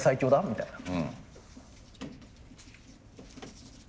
みたいな。